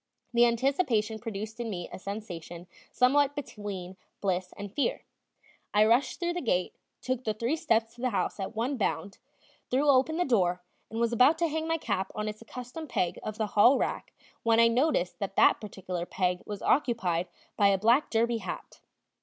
The anticipation produced in me a sensation somewhat between bliss and fear. I rushed through the gate, took the three steps to the house at one bound, threw open the door, and was about to hang my cap on its accustomed peg of the hall rack when I noticed that that particular peg was occupied by a black derby hat.